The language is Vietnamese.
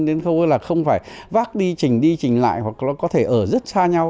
đến khâu không phải vác đi chỉnh đi chỉnh lại hoặc có thể ở rất xa nhau